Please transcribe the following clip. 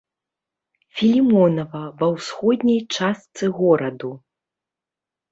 Філімонава, ва ўсходняй частцы гораду.